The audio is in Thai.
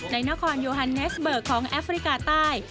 นครโยฮันเนสเบิกของแอฟริกาใต้